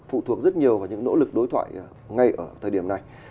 phụ thuộc rất nhiều vào những nỗ lực đối thoại ngay ở thời điểm này